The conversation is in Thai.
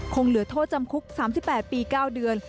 ต้องสู้จำคุก๓๘ปี๙เดือน